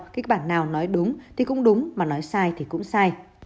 kịch bản nào nói đúng thì cũng đúng mà nói sai thì cũng sai